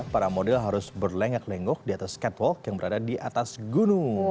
para model harus berlengak lenggok di atas catwalk yang berada di atas gunung